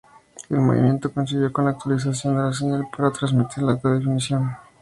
El movimiento coincidió con la actualización de la señal para transmitir en alta definición.